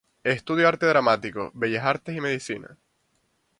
Estudió arte dramático, bellas artes y medicina.